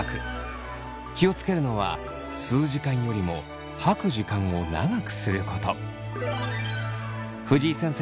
気を付けるのは吸う時間よりも吐く時間を長くすること。